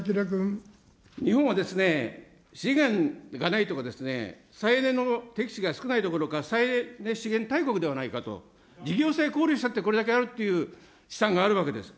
日本は、資源がないとか、再エネの適地が少ないどころか、再エネ資源大国ではないかと、事業性考慮したって、これだけあるっていう試算があるわけです。